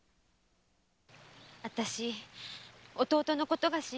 あたし弟のことが心配で。